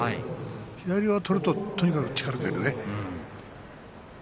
左を取るととにかく力は出るよね。